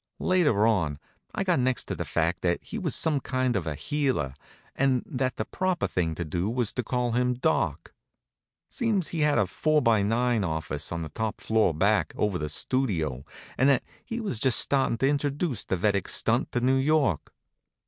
Later on I got next to the fact that he was some kind of a healer, and that the proper thing to do was to call him Doc. Seems he had a four by nine office on the top floor back, over the Studio, and that he was just startin' to introduce the Vedic stunt to New York.